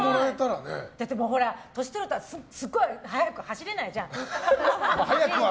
だって、年を取るとすごく速く走れないじゃん。